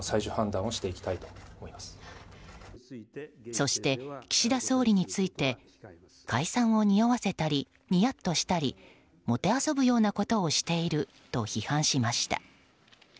そして岸田総理について解散をにおわせたりニヤッとしたりもてあそぶようなことをしていると批判しました。